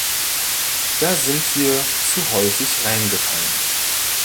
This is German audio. Da sind wir zu häufig reingefallen.